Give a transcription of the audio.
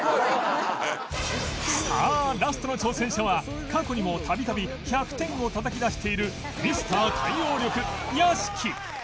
さあラストの挑戦者は過去にも度々１００点をたたき出している Ｍｒ． 対応力屋敷